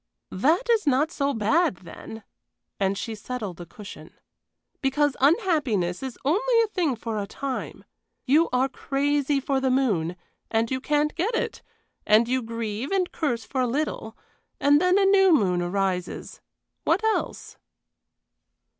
"That is not so bad then," and she settled a cushion. "Because unhappiness is only a thing for a time. You are crazy for the moon, and you can't get it, and you grieve and curse for a little, and then a new moon arises. What else?"